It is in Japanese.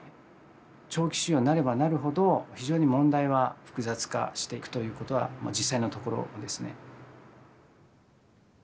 長期収容になればなるほど非常に問題は複雑化していくということは実際のところですね。